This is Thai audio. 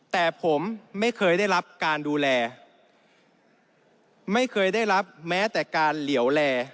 แต่ผมไม่เคยได้รับการดูแลไม่เคยได้รับแม้แต่การเหลี่ยวแล